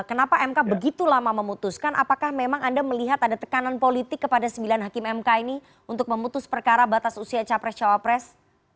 kenapa mk begitu lama memutuskan apakah memang anda melihat ada tekanan politik kepada sembilan hakim mk ini untuk memutus perkara batas usia capres cawapres